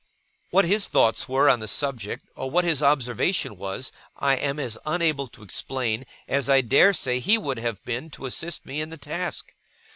What his thoughts were on the subject, or what his observation was, I am as unable to explain, as I dare say he would have been to assist me in the task.